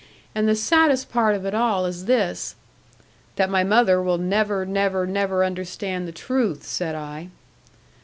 And the saddest part of it all is this ' 'That my mother will never, never, never understand the truth,' said I.